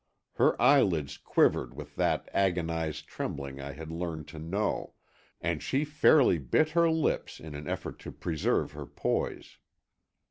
Her eyelids quivered with that agonized trembling I had learned to know, and she fairly bit her lips in an effort to preserve her poise.